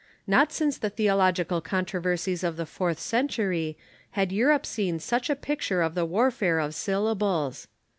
Not since the theological controversies of the fourth century had Europe seen such a picture of the warfare of syllables.